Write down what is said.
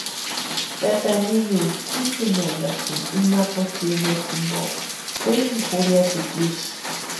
Tata niñuni kwʼinchinhantasïnti ima kutsï enero jimpo, kwimu jurhiatikwa isï.